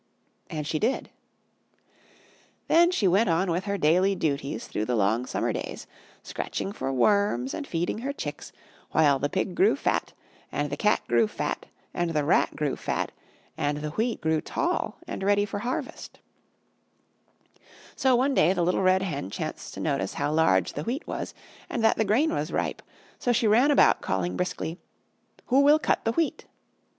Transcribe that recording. And she did. Then she went on with her daily duties through the long summer days, scratching for worms and feeding her chicks, while the Pig grew fat, and the Cat grew fat, and the Rat grew fat, and the Wheat grew tall and ready for harvest. So one day the Little Red Hen chanced to notice how large the Wheat was and that the grain was ripe, so she ran about calling briskly: "Who will cut the Wheat?"